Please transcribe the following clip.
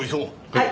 はい！